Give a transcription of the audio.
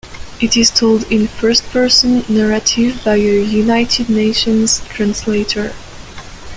It is told in first-person narrative by a United Nations translator.